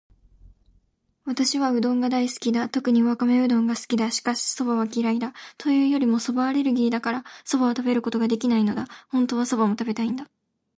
私はうどんが大好きだ。特にわかめうどんが好きだ。しかし、蕎麦は嫌いだ。というよりも蕎麦アレルギーだから、蕎麦を食べることができないのだ。本当は蕎麦も食べたいんだ。